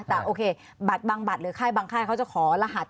แต่โอเคบัตรบางบัตรหรือค่ายบางค่ายเขาจะขอรหัส